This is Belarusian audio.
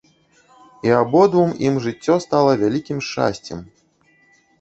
І абодвум ім жыццё стала вялікім шчасцем.